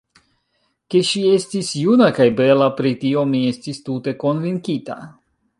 Ke ŝi estis juna kaj bela, pri tio mi estis tute konvinkita.